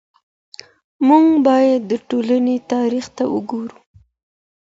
موږ بايد د ټولني تاريخ ته وګورو.